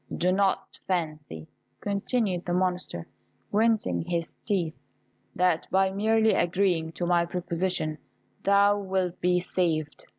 Do not fancy," continued the Monster, grinding his teeth, "that by merely agreeing to my proposition thou wilt be saved.